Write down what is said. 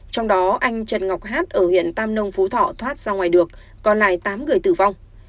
trong đó anh trần ngọc hát ở huyện tam nông phú thọ thoát ra ngoài được còn lại tám người tử vong